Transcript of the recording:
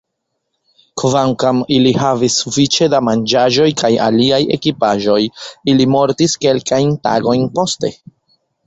Kvankam ili havis sufiĉe da manĝaĵoj kaj aliaj ekipaĵoj, ili mortis kelkajn tagojn poste.